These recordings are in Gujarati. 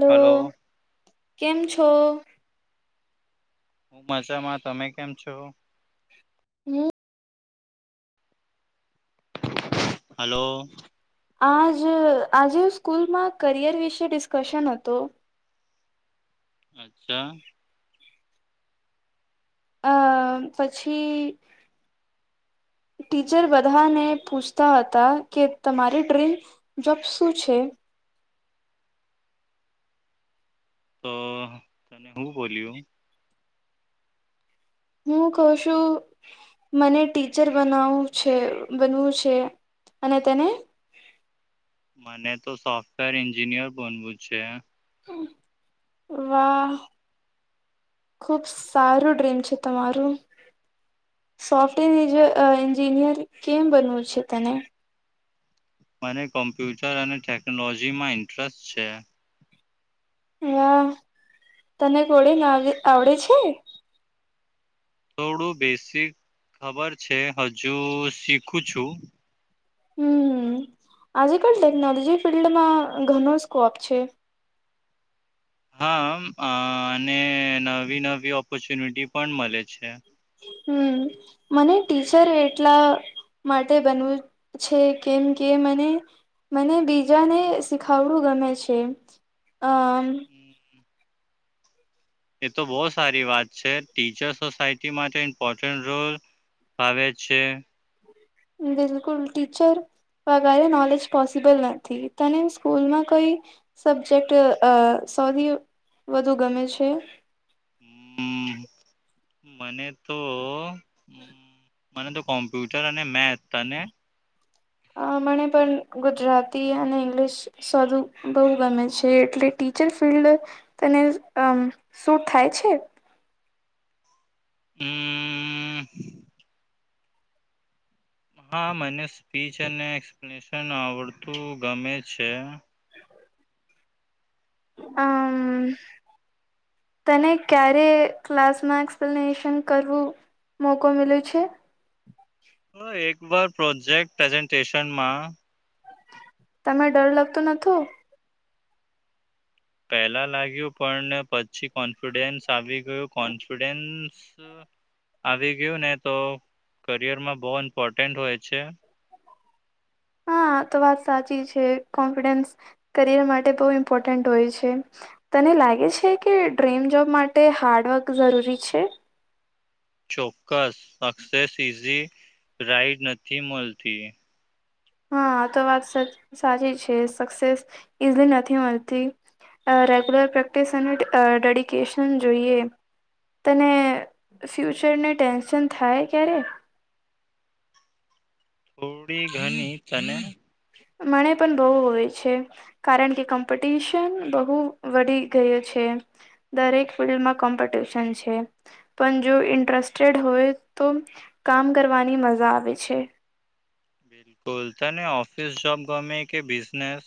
દો. હલો કેમ છો? મજામાં તમે કેમ છો? હમ્મ. હાલો. આજ આજે સ્કૂલમાં કરિયર વિશે ડિસ્કશન હતું. અચ્છા? અ પછી ટીચર બધાને પૂછતા હતા કે તમારી ડ્રીમ જોબ શું છે? તો તને હું બોલ્યું? હું કઉ સુ મને ટીચર બનાવું છે, બનવું છે અને તેને? મને તો સોફ્ટવેર એન્જિનિયર બનવું છે. વાહ, ખુબ સારું ડ્રીમ છે તમારું, સોફ્ટેર એન્જી અ એન્જિનિયર કેમ બનવું છે તને? મને કોમ્પ્યુટર અને ટેકનોલોજીમાં ઇન્ટરેસ્ટ છે. વાહ તને કોડિંગ આવડે આવડે છે? થોડું બેસિક ખબર છે, હજુ શીખું છું. હમ્મ આજે કલ ટેકનોલોજી ફિલ્ડમાં ઘણો સ્કોપ છે. હા અ અને નવી-નવી ઓપોર્ચ્યુનિટી પણ મળે છે. હમ્મ મને ટીચર એટલા માટે બનવું છે કેમ કે મને મને બીજાને શીખાવડું ગમે છે અમ એ તો બો સારી વાત છે, ટીચર સોસાયટી માટે ઇમ્પોર્ટન્ટ રોલ ભાવે છે. બિલકુલ, ટીચર વગારે નોલેજ પોસિબલ નથી, તને સ્કૂલમાં કોઈ સબ્જેક્ટ અ અ સૌવી વધુ ગમે છે? મને તો અમ્મ મને તો કોમ્પ્યુટર અને મેથ, તને? અ મને પણ ગુજરાતી અને ઈંગ્લિશ શધુ બહુ ગમે છે, એટલે ટીચર ફિલ્લ્ડ તને અ શું થાય છે? હમ્મ હા મનેસ ફીચર અને એક્સપ્લેનેશન ને આવડતું ગમે છે. અમ તને ક્યારે ક્લાસમાં એક્સપ્લેનેશન કરવું મોકો મલ્યો છે? હ એક વાર પ્રોજેક્ટ પ્રેઝન્ટેશનમાં તમે ડર લાગતો નતો? પેલા લાગ્યું પણ પછી કોન્ફિડન્સ આવી ગયું કોન્ફિડેન્ સ આવી ગયું ને તો કરિયરમાં બો ઇમ્પોર્ટન્ટ હોય છે. હા તો વાત સાચી છે, કોન્ફિડન્સ કરિયર માટે બહુ ઇમ્પોર્ટન્ટ હોય છે, તને લાગે છે કે ડ્રીમ જોબ માટે હાર્ડવર્ક જરૂરી છે? ચોક્કસ, સક્સેસ ઇઝી રાઈડ નથી મળતી. હા તો વાત સાચ સાચી છે, સક્સેસ ઈઝલી નથી મલતી અ રેગ્યુલર પ્રેક્ટિસ અને ડે અ ડેડિકેશન જોઈએ, તને ફ્યુચરને ટેન્શન થાય ક્યારે? થોડી ઘણી તને? મને પણ બહુ હોય છે, કારણ કે કમ્પિટિશન બહુ વધી ગયું છે. દરેક ફિલ્ડમાં કોમ્પિટિશન છે. પણ જો ઇન્ટરેસ્ટેડ હોય તો કામ કરવાની મઝા આવે છે. બિલકુલ, તને ઓફિસ જોબ ગમે કે બિઝનેસ?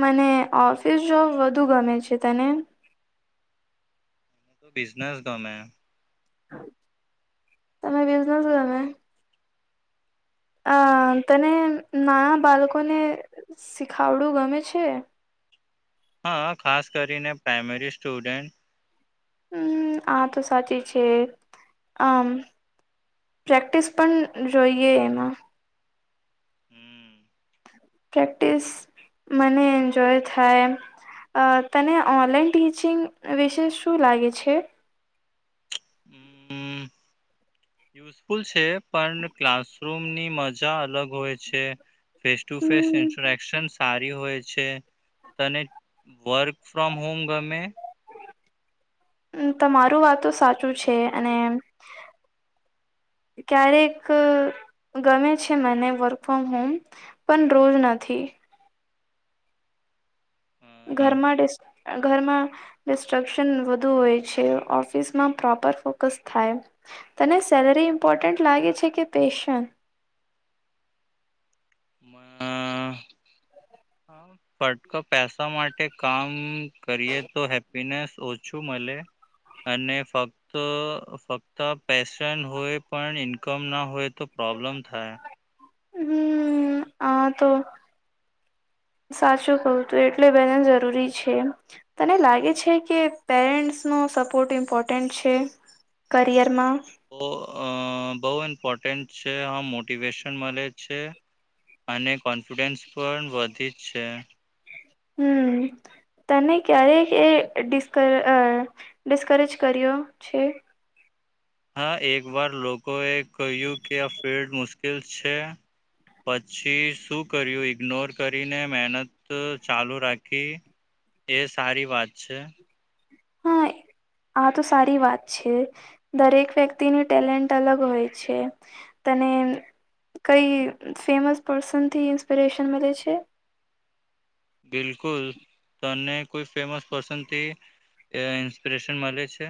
મને, ઓફિસ જોબ વધુ ગમે છે, તને? બિઝનેસ ગમે. તમે બિઝનઝ ગમે? અ તને નાના બાલકોને શીખાવડું ગમે છે? હા, ખાસ કરીને પ્રાઈમરી સ્ટુડન્ટ. હમ, આ તો સાચી જ છે. આમ પ્રેક્ટિસ પણ જોઈએ એમાં. હમ પ્રેક્ટિસ, મને એન્જોય થાય. અ તને ઓનલાઈન ટીચિંગ વિશે શું લાગે છે? હમ યુઝફુલ છે, પણ ક્લાસરૂમની મજા અલગ હોય છે. Face to face hmm interaction સારી હોય છે. તને વર્ક ફ્રોમ હોમ ગમે? ઉ તમારું વાત તો સાચું છે. અને, ક્યારેક ગમે છે મને વર્ક ફ્રોમ હોમ, પણ રોજ નથી. ઘરમાં ઘરમાં ડિસ્ટ્રક્શન વધુ હોય છે, ઓફિસમાં પ્રોપર ફોકસ થાય. તને સેલરી ઇમ્પોર્ટન્ટ લાગે છે કે પેશન? ફટક પેસા માટે કામ કરીએ તો હેપીનેસ ઓછું મલે. અને ફક્ત ફક્ત પેશન હોય, પણ ઇન્કમ ના હોય તો પ્રોબ્લેમ થાય. હમ, આ તો સાચું કવું તું. એટલે બેલેન્સ જરૂરી છે. તને લાગે છે કે પેરેન્ટ્સનો સપોર્ટ ઇમ્પોર્ટન્ટ છે, કરિયરમાં? ઓ ઓ બહુ ઇમ્પોર્ટન્ટ છે. આમ મોટિવેશન મલે છે, અને કોન્ફિડન્સ પણ વધી જ છે. હમ, તને ક્યારે એ ડિસ્ક ડિસ્કરેજ કર્યો છે? હા એક વાર લોકો એ કહ્યું કે આ ફિલ્ડ મુશ્કેલ છે. પછી શું કર્યું, ઇગ્નોર કરીને મહેનત ચાલુ રાખી, એ સારી વાત છે હા, આ તો સારી વાત છે. દરેક વ્યક્તિનું ટેલેન્ટ અલગ હોય છે. તને કઈ ફેમસ પર્સનથી ઇન્સ્પિરેશન મલે છે? બિલકુલ તને કોઈ ફેમસ પર્સનથી ઇન્સ્પિરેશન મળે છે.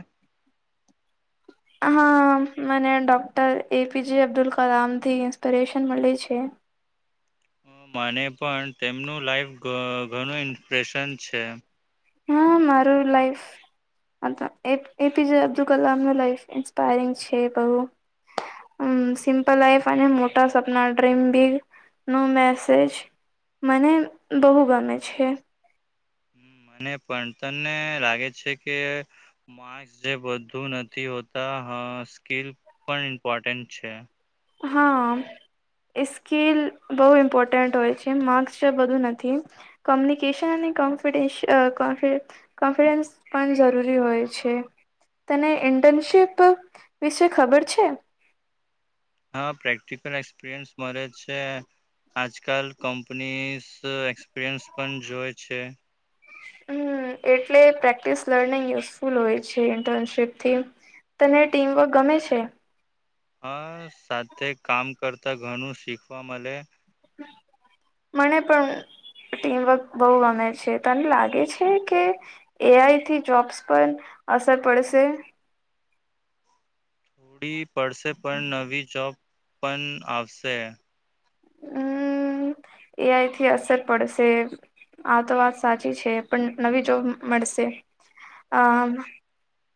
હા મને ડોક્ટર એપીજે અબ્દુલ કલામ થી ઇન્સ્પિરેશન મળી છે? માને પણ તેમનું લાઈફ ઘણું ઇન્સ્પ્રેશન છે. હા મારું લાઈફ એપીજ અબ્દુલ કલામનું લાઈફ ઇન્સ્પાયરિંગ છે બઉ. હમ્મ હમ, સિમ્પલ લાઈફ. અને મોટા સપના ડ્રીમ બિગ નો મેસેજ મને બહુ ગમે છે. હમ, મને પણ તમને લાગે છે કે માસ જે બધું નથી હોતા સ્કીલ પણ ઇમ્પોર્ટન્ટ છે. હા સ્કીલ બહુ ઇમ્પોર્ટન્ટ હોય છે માર્ક્સ જે બધું નથી. કોમ્યુનિકેશન અને કોન્ફિડન્સ કોફ કોન્ફિડન્સ પણ જરૂરી હોય છે. તને બિલકુલ. ઇન્ટનશીપ. વિશે ખબર છે? હા પ્રેક્ટિકલ એક્સપિરિયન્સ મળે છે, આજકાલ કંપનીઝ એક્સપિરિયન્સ પણ જોય છે. હમ્મ એટલે પ્રેક્ટિસ લર્નિંગ યુઝફુલ હોય છે ઇન્ટર્નશીપ થી. તને ટીમવર્ક ગમે છે? છે. હા સાથે કામ કરતા ઘણું શીખવા મળે. મને પણ ટીમવર્ક બહુ ગમે છે, તને લાગે છે કે એઆઈ થી જોબ્સ પર અસર પડશે? થોડી. પડશે પણ નવી જોબ. પણ આવશે. હમ્મ. એઆઈથી અસર પડશે આ તો વાત સાચી છે પણ નવી જોબ મળશે આ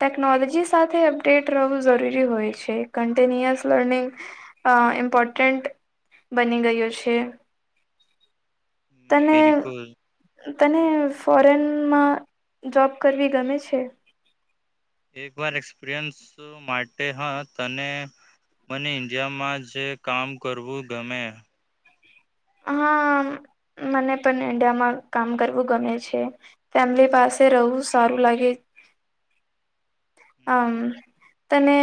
ટેકનોલોજી સાથે અપડેટ રહેવું, જરૂરી હોય છે કન્ટિન્યુઅસ લર્નિંગ ઇમ્પોર્ટન્ટ બની ગયું છે. તને બિલકુલ તને ફોરેનમાં જોબ કરવી ગમે છે? એક વાર એક્સપિરિયન્સ માટે હા, તને મને ઇન્ડિયામાં જ કામ કરવું ગમે. હા મને પણ ઇન્ડિયામાં કામ કરવું ગમે છે. ફેમિલી પાસે રહેવું સારું લાગે, આમ તને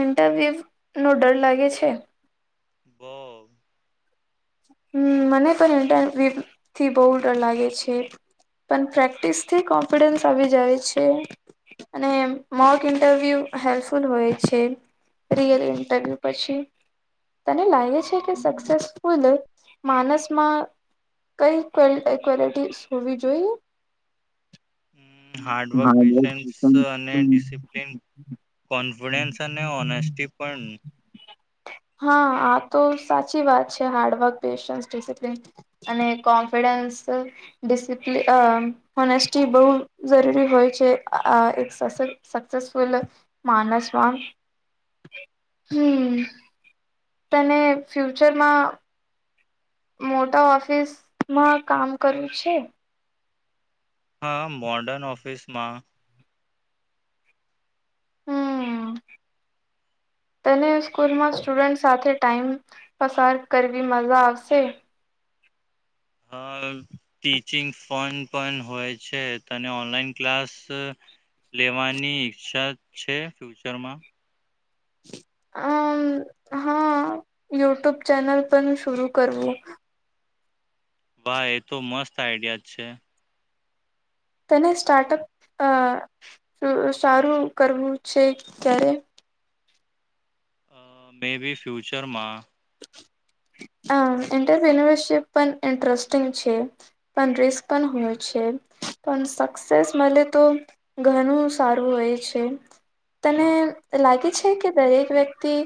ઇન્ટરવ્યુ નો ડર લાગે છે? બો હમ મને પણ ઇન્ટરવ્યૂથી બહુ ડર લાગે છે, પણ પ્રેક્ટિસથી કોન્ફિડન્સ આવી જાય છે, અને મોક ઇન્ટરવ્યૂ હેલ્પફુલ હોય છે. રિયલ ઇન્ટરવ્યૂ પછી તને લાગે છે કે સક્સેસ માણસ માં કઈ ઈ ક્વોલિટીઝ હોવી જોઈએ? હાર્ડવર્ક હા પેશન્સ અને ડિસિપ્લિન કોન્ફિડન્સ અને ઓનેસ્ટી પણ હા આ તો સાચી વાત છે. હાર્ડવર્ક, પેશન્ટ્સ, ડીસપ્લિન અને કોન્ફિડન્સ, ઓનેસ્ટી બહુ જરૂરી હોય છે. આ એક સક્સેસફુલ માનસમાં હમ તને ફ્યુચરમાં મોટા ઓફિસમાં કામ કર્યું છે? હા મોર્ડન ઓફિસમાં. તને સ્કૂલમાં સ્ટુડન્ટ સાથે ટાઈમ પસાર કરવી મજા આવશે? ટીચિંગ ફોન પણ હોય છે, તને ઓનલાઈન ક્લાસ લેવાની ઈચ્છા છે ફ્યુચરમાં? અમ, હા યુટ્યુબ ચેનલ પણ શરૂ કરવું. બા એ તો મસ્ત. આઈડિયા છે. તેને સ્ટાર્ટઅપ સારું કરવું છે ક્યારે? અ.. મે બી ફ્યુચરમાં. આમ, ઇન્ટરપિન્યરશીપ પણ ઇન્ટરેસ્ટિંગ છે, પણ રિસ્ક પણ હોય છે, પણ સક્સેસ મળે તો ઘણું સારું હોય છે. તને લાગે છે કે દરેક વ્ય થી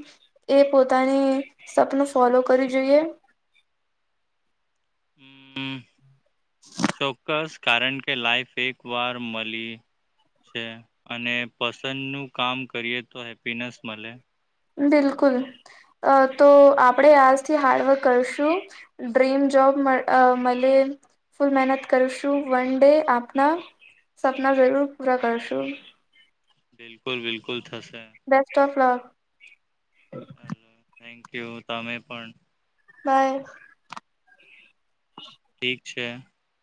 એ પોતાની. સપનું ફોલો કરવી જોઈએ? હમ્મ. ચોક્કસ. કારણ કે લાઈફ એક વાર મળી છે અને પસંદનું કામ કરીએ તો હેપીનેસ મળે. બિલકુલ તો આપણેે આજથી હાર્ડવર્ક કરશું ડ્રીમ જોબ મળે ફૂલ મહેનત કરશું. વન ડે આપના સપના જરૂર પૂરા કરશું. બિલકુલ-બિલકુલ. Best of luck. Hello. Thank you તમે પણ. બાય ઠીક. છે.